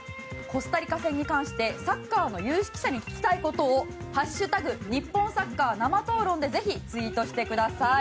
コスタリカ戦に関してサッカーの有識者に聞きたいことを「＃日本サッカー生討論」でぜひツイートしてください。